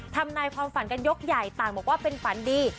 ทำนายความฝันกันยกใหญ่ต่างบอกว่าเป็นฝันดี